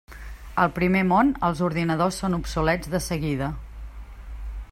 Al primer món, els ordinadors són obsolets de seguida.